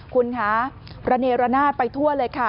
คุณคะระเนรนาศไปทั่วเลยค่ะ